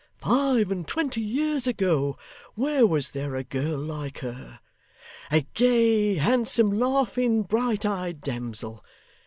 Five and twenty years ago, where was there a girl like her? A gay, handsome, laughing, bright eyed damsel!